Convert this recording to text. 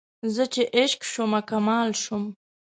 زه چې عشق شومه کمال شوم